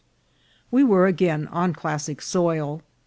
WE were again on classic soil.